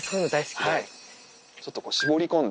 ちょっとこう、絞り込んだ。